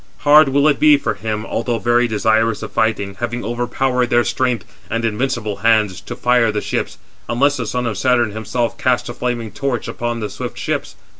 Hard will it be for him, although very desirous of fighting, having overpowered their strength and invincible hands, to fire the ships, unless the son of Saturn himself cast a flaming torch upon the swift ships.